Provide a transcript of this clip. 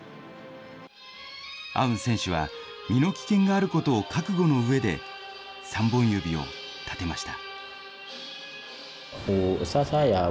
アウン選手は、身の危険があることを覚悟のうえで、３本指を立てました。